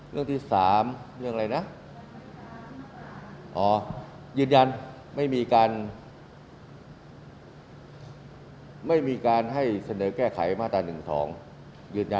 เรื่องที่๓ยืนยันไม่มีการให้เสนอแก้ไขมาตรา๑๒